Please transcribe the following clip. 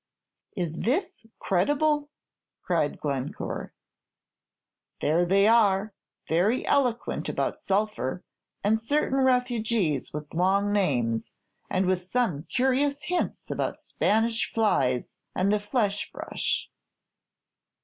"Is this credible?" cried Glencore. "There they are, very eloquent about sulphur, and certain refugees with long names, and with some curious hints about Spanish flies and the flesh brush."